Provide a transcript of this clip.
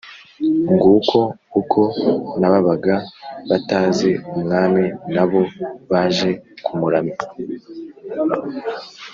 Nguko uko n’ababaga batazi umwami na bo baje kumuramya,